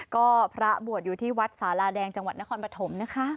ก็พระบวชอยู่ที่วัดสาลาแดงจังหวัดนครปฐมนะคะ